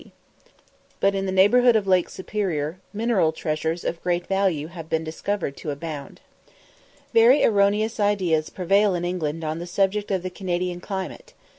It is very deficient in coal, but in the neighbourhood of Lake Superior mineral treasures of great value have been discovered to abound. Very erroneous ideas prevail in England on the subject of the Canadian climate.